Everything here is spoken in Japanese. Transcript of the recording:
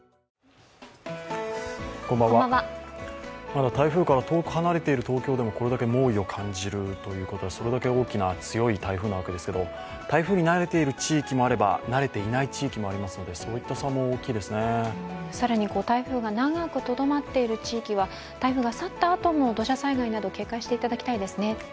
まだ台風から遠く離れている東京でもこれだけ猛威を感じるということは、それだけ大きな強い台風なわけですけれども、台風に慣れている地域もあれば、慣れていない地域もありますので更に台風が長くとどまっている地域は台風が去ったあとも土砂災害などに警戒していただきたいですね。